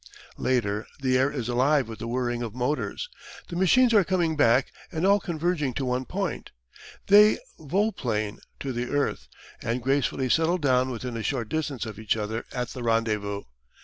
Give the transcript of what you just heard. Later the air is alive with the whirring of motors. The machines are coming back and all converging to one point. They vol plane to the earth and gracefully settle down within a short distance of each other at the rendezvous.